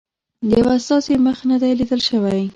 د یوه استازي مخ نه دی لیدل شوی.